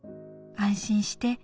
安心して。